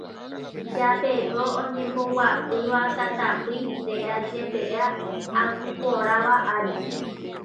japepo oñemboguapýva tatapỹi térã jepe'a akuporãva ári.